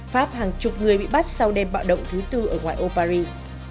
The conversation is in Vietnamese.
pháp hàng chục người bị bắt sau đêm bạo động thứ tư ở ngoài âu paris